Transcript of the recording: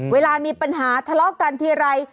เวลามีปัญหาทะเลาะกันทีไร